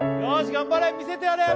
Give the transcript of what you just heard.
頑張れ見せてやれ・